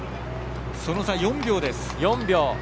その差４秒です。